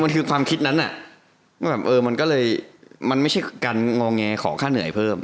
คือความคิดนั้นน่ะมันก็เลยมันไม่ใช่การงงแงขอค่าเหนื่อยเพิ่ม